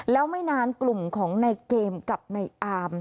แล้วไม่นานกลุ่มของในเกมกับในอาม